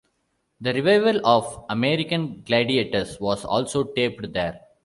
The revival of "American Gladiators" was also taped there.